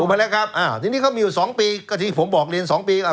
มาแล้วครับอ่าทีนี้เขามีอยู่สองปีก็ที่ผมบอกเรียนสองปีอ่ะ